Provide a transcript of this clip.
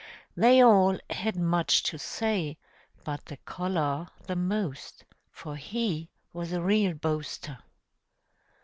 They all had much to say, but the collar the most; for he was a real boaster.